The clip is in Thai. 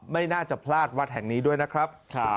ไม่น่าจะพลาดวัดแห่งนี้ด้วยนะครับ